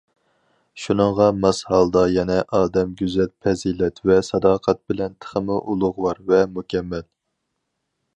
شۇنىڭغا ماس ھالدا يەنە ئادەم گۈزەل پەزىلەت ۋە ساداقەت بىلەن تېخىمۇ ئۇلۇغۋار ۋە مۇكەممەل.